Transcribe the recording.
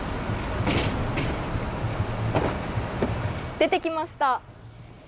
出てきました。